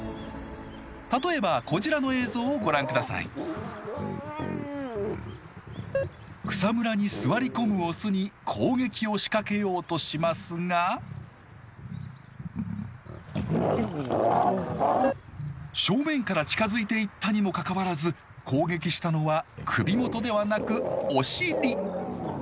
例えばこちらの映像をご覧下さい草むらに座り込むオスに攻撃を仕掛けようとしますが正面から近づいていったにもかかわらず攻撃したのは首元ではなくお尻。